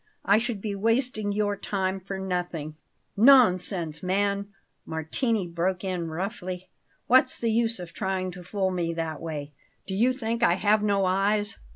I should be wasting your time for nothing." "Nonsense, man!" Martini broke in roughly. "What's the use of trying to fool me that way? Do you think I have no eyes?